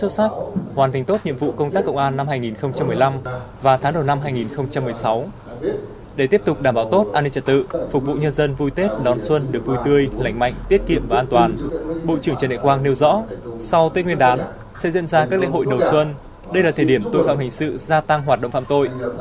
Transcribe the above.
sau tết nguyên đán sẽ diễn ra các lễ hội đầu xuân đây là thời điểm tội phạm hình sự gia tăng hoạt động phạm tội